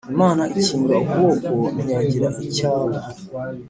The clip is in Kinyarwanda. Imana ikinga ukuboko ntiyagira icy’aba